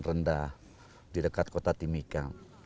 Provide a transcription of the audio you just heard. rendah di dekat kota timika